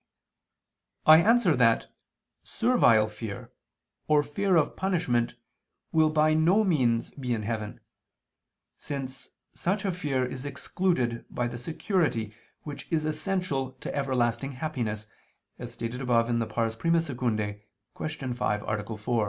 I answer that, Servile fear, or fear of punishment, will by no means be in heaven, since such a fear is excluded by the security which is essential to everlasting happiness, as stated above (I II, Q. 5, A. 4).